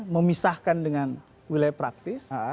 memisahkan dengan wilayah praktis